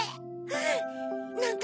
うん！